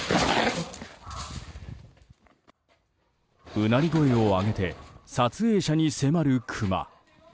うなり声を上げて撮影者に迫るクマ。